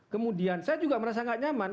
kemudian saya juga merasa tidak nyaman